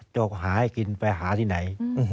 จกหาให้กินไปหาที่ไหน